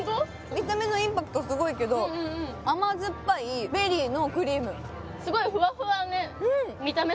見た目のインパクトすごいけど甘酸っぱいベリーのクリームすごいフワフワね見た目